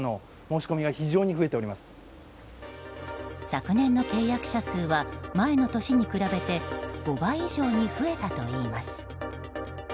昨年の契約者数は前の年に比べて５倍以上に増えたといいます。